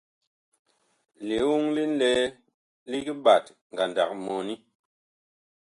Lioŋ li ŋlɛɛ lig ɓat ngandag mɔni.